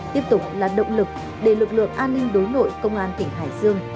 tiếp tục là động lực để lực lượng an ninh đối nội công an tỉnh hải dương